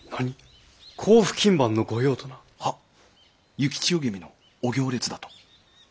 幸千代君のお行列だと。